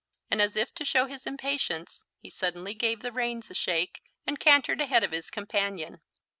And as if to show his impatience, he suddenly gave the reins a shake and cantered ahead of his companion.